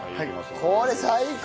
これ最高！